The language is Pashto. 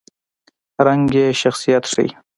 رنګ یې شخصیت ښيي.